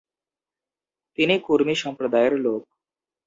তিনি কুর্মি সম্প্রদায়ের লোক।